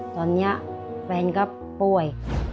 ตอนนี้แฟนก็ป่วย